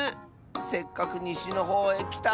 せっかくにしのほうへきたのに。